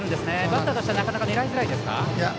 バッターとしてはなかなか狙いづらいですか？